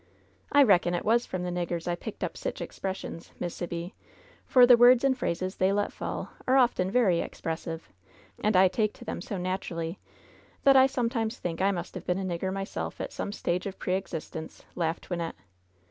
"I reckon it was from the niggers I 'picked up sich expressions,' Miss Sibby, for the words and phrases they let fall are often very expressive — and I take to them so naturally that I sometimes think I must have been a nigger myself in some stage of pre existence," laughed Wynnette.